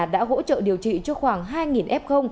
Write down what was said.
đã hỗ trợ điều trị cho khoảng hai f